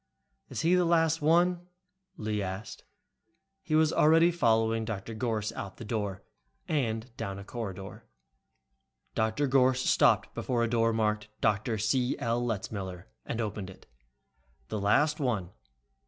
"Is he the last one?" Lee asked. He was already following Dr. Gorss out the door and down a corridor. Dr. Gorss stopped before a door marked "Dr. C. L. Letzmiller," and opened it. "The last one.